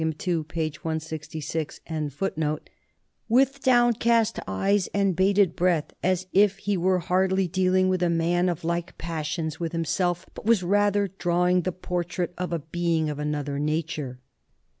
166. 56 NORMANS IN EUROPEAN HISTORY downcast eyes and bated breath, as if he were hardly dealing with a man of like passions with himself but were rather drawing the portrait of a being of another nature."